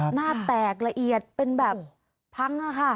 หน้าแตกละเอียดเป็นแบบพังค่ะ